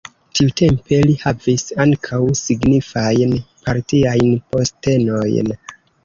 Tiutempe li havis ankaŭ signifajn partiajn postenojn.